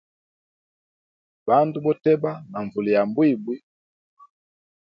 Bandu boteba na nvula ya mbwimbwi.